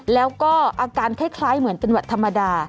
แล้วก็อาการคล้ายเหมือนเป็นหวัดธรรมดา